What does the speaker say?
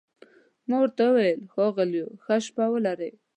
ما ورته وویل: ښاغلو، ښه شپه ولرئ.